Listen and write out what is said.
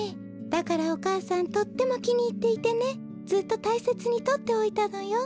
だからお母さんとってもきにいっていてねずっとたいせつにとっておいたのよ。